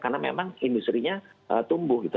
karena memang industri nya tumbuh gitu